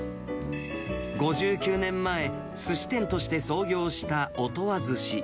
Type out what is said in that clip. ５９年前、すし店として創業した音羽鮨。